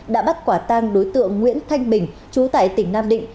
đã bắt quả tang đối tượng nguyễn thanh bình chú tại tỉnh nam định